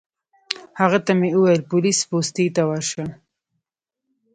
هغه ته مې وویل پولیس پوستې ته ورشه.